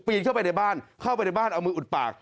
เข้าไปในบ้านเข้าไปในบ้านเอามืออุดปาก